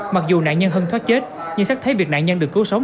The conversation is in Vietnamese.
mặc dù nạn nhân hân thoát chết nhưng xác thấy việc nạn nhân được cứu sống